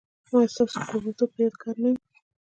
ایا ستاسو کوربه توب به یادګار نه وي؟